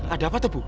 ada apa tuh bu